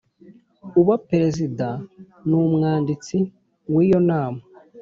uba Perezida n umwanditsi w iyo nama